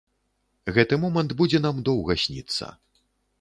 Гэты момант будзе нам доўга сніцца.